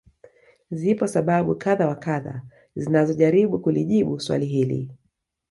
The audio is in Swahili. Zipo sababu kadha wa kadha zinazojaribu kulijibu swali hili